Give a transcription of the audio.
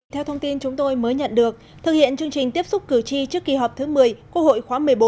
theo thông tin chúng tôi mới nhận được thực hiện chương trình tiếp xúc cử tri trước kỳ họp thứ một mươi quốc hội khóa một mươi bốn